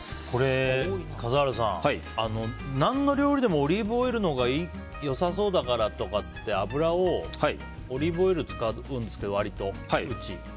これ、何の料理でもオリーブオイルのほうが良さそうだからって油をオリーブオイルを使うんですけど、割とうちは。